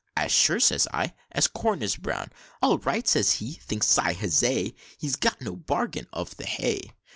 'As sure,' says I, 'as corn is brown.' 'All right,' says he. Thinks I 'huzza! He's got no bargain of the hay!'